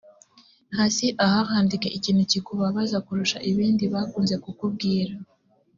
hasi aha handike ikintu kikubabaza kurusha ibindi bakunze kukubwira